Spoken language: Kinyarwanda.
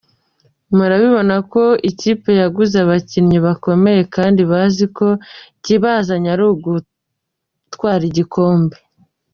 Murabibona ko ikipe yaguze abakinnyi bakomeye kandi bazi ko ikibazanye ari ugutwara igikombe.